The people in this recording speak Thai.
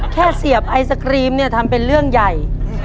เสียบไอศครีมเนี่ยทำเป็นเรื่องใหญ่